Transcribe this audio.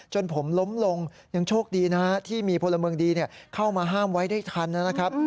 จนผมล้มลงยังโชคดีนะที่มีพลเมืองดีเข้ามาห้ามไว้ได้ทันนะครับ